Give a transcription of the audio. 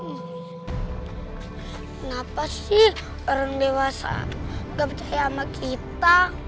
kenapa sih orang dewasa gak percaya sama kita